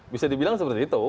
bisa dibilang seperti itu